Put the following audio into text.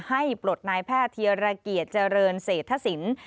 ให้ปรดนายแพทย์เทียรกิจเจริญเสถสิน